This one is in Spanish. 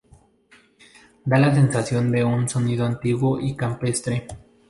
Da la sensación de un sonido antiguo y campestre.